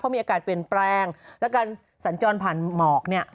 มีอากาศเปลี่ยนแปลงและการสัญจรผ่านหมอกเนี่ย